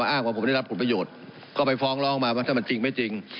อ่าแป๊งหนึ่ง